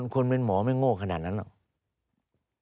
คนเป็นหมอไม่โง่ขนาดนั้นหรอก